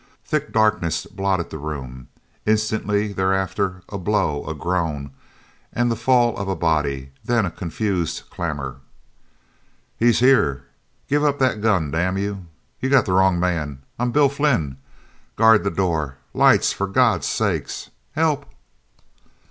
Thick darkness blotted the room. Instantly thereafter a blow, a groan, and the fall of a body; then a confused clamour. "He's here!" "Give up that gun, damn you!" "You got the wrong man!" "I'm Bill Flynn!" "Guard the door!" "Lights, for God's sake!" "Help!"